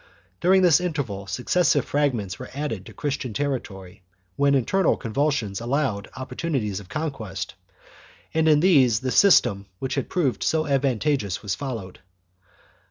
During this interval successive fragments were added to Christian territory, when internal convulsions allowed opportunities of con quest, and in these the system which had proved so advantageous was followed.